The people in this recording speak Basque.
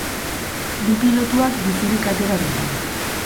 Bi pilotuak bizirik atera dira.